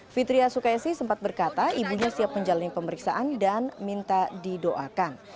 fitria sukaisi sempat berkata ibunya siap menjalani pemeriksaan dan minta didoakan